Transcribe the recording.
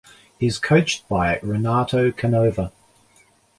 He is coached by Renato Canova.